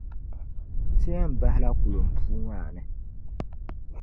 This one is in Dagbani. Ti yɛn bahila kulum puu maa ni.